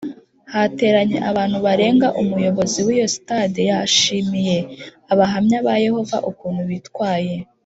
Hateranye abantu barenga umuyobozi w iyo sitade yashimiye abahamya ba yehova ukuntu bitwaye